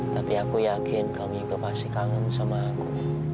tapi aku yakin kami juga pasti kangen sama aku